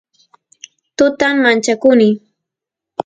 tutan manchakuni